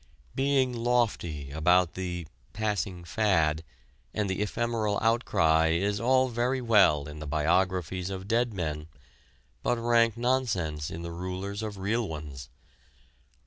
Being lofty about the "passing fad" and the ephemeral outcry is all very well in the biographies of dead men, but rank nonsense in the rulers of real ones.